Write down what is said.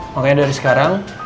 makanya dari sekarang